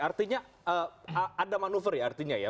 artinya ada manuver ya artinya ya